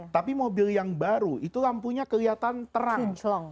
tapi mobil yang baru itu lampunya kelihatan terang celong